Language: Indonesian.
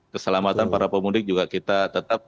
keselamatan para pemudik juga kita tetap